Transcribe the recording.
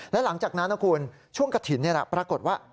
และหลังจากนั้นนะคุณช่วงกระถิ่นปรากฏว่า